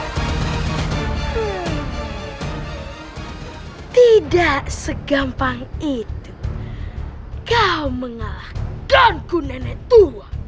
hai tidak segampang itu kau mengalahkan ku nenek tua